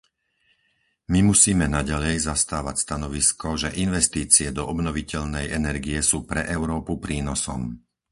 My musíme naďalej zastávať stanovisko, že investície do obnoviteľnej energie sú pre Európu prínosom.